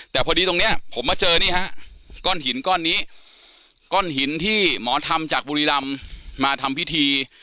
แต่พอดีตรงนี้ผมมาเจอนี่ฮะก้อนหินก้อนนี้ก้อนหินที่หมอทำจากบุรีรำมาทำพิธี